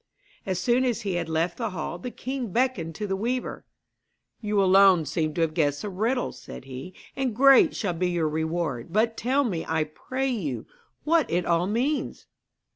As soon as he had left the hall, the king beckoned to the weaver. 'You alone seem to have guessed the riddle,' said he, 'and great shall be your reward. But tell me, I pray you, what it all means?'